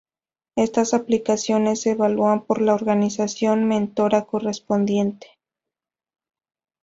Estas aplicaciones se evalúan por la organización mentora correspondiente.